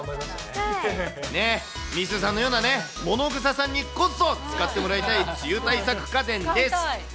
みーすーさんのようなものぐささんにこそ、使ってもらいたい梅雨対策家電です。